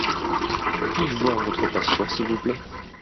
Puis-je voir votre passeport s'il vous plait ?